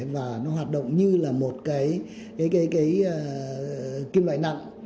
và nó hoạt động như là một cái kim loại nặng